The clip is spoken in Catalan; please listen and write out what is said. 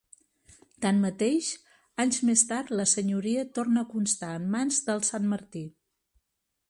Tanmateix, anys més tard la senyoria torna a constar en mans dels Santmartí.